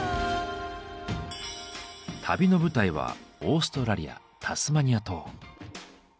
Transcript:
旅の舞台はオーストラリアタスマニア島。